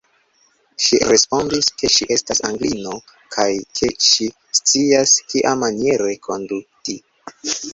Ŝi respondis, ke ŝi estas Anglino, kaj ke ŝi scias, kiamaniere konduti.